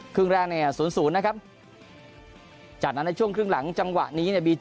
เครื่องแรกเนี่ยศูนย์ศูนย์นะครับจากนั้นในช่วงเครื่องหลังจำวะนี้เนี่ย